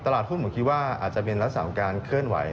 ตลาดหุ้นผมคิดว่าอาจจะเป็นลักษณะของการเคลื่อนไหว